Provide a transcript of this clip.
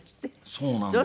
そうなんですよ。